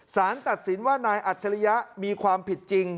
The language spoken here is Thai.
สารตัดสินว่านายอัจฉริยะมีความผิดจริง